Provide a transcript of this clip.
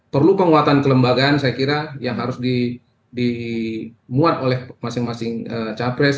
perlu penguatan kelembagaan saya kira yang harus dimuat oleh masing masing capres